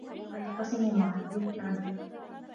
وَيَعْتَصِمُ مُعَادِيهِ بِعَدْلِهِ